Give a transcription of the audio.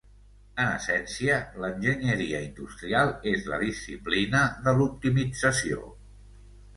En essència l'enginyeria industrial és la disciplina de l'optimització.